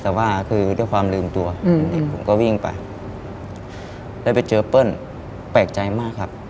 แต่ว่าคือด้วยความลืมตัวเด็กผมก็วิ่งไปแล้วไปเจอเปิ้ลแปลกใจมากครับ